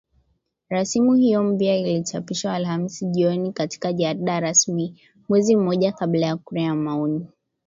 Rasimu hiyo mpya ilichapishwa Alhamis jioni katika jarida rasmi, mwezi mmoja kabla ya kura ya maoni